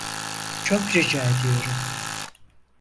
Çok rica ediyorum!